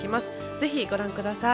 ぜひ、ご覧ください。